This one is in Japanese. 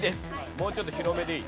もうちょっと広めでいい。